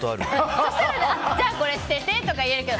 そうしたら、じゃあこれ捨ててとか言えるけど。